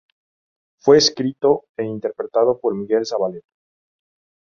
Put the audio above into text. Fue escrito e interpretado por Miguel Zavaleta.